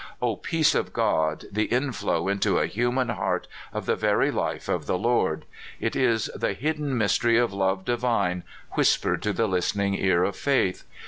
O peace of God, the inflow into a human heart of the very life of the Lord ! It is the hidden m^ stery of love divine whispered to the listening ear of faith.